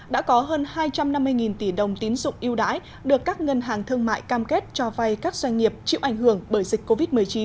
đã có hơn hai trăm năm mươi tỷ đồng tín dụng yêu đãi được các ngân hàng thương mại cam kết cho vay các doanh nghiệp chịu ảnh hưởng bởi dịch covid một mươi chín